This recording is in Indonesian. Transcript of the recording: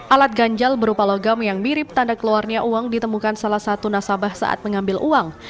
alat ganjal berupa logam yang mirip tanda keluarnya uang ditemukan salah satu nasabah saat mengambil uang